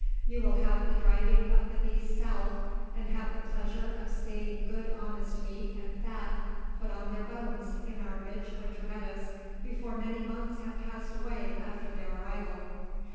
You will have the driving of the beasts south, and have the pleasure of seeing good honest meat and fat put on their bones in our rich water meadows before many months have passed away after their arrival."